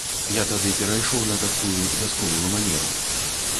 Я тады перайшоў на такую вясковую манеру.